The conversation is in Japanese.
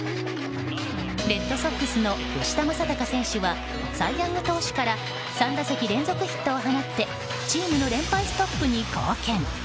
レッドソックスの吉田正尚選手はサイ・ヤング投手から３打席連続ヒットを放ってチームの連敗ストップに貢献。